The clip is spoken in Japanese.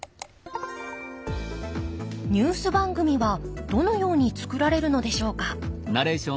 ニュース番組はどのように作られるのでしょうか。